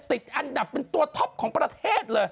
ติดอันดับเป็นตัวท็อปของประเทศเลย